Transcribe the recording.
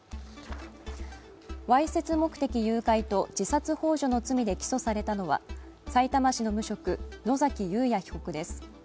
わいせつ目的誘拐と自殺ほう助の罪で起訴されたのはさいたま市の無職野崎祐也被告です。